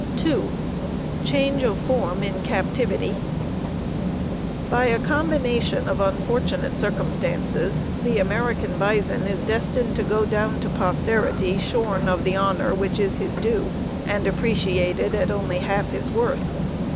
2. Change of form in captivity. By a combination of unfortunate circumstances, the American bison is destined to go down to posterity shorn of the honor which is his due, and appreciated at only half his worth.